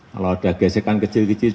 kalau ada gesekan kecil kecil